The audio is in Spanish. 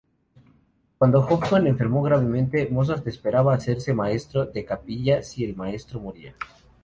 Cuando Hofmann enfermó gravemente, Mozart esperaba hacerse maestro de capilla si el maestro moría.